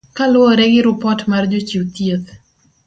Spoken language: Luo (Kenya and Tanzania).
Kaluwore gi rupot mar Jochiw chieth.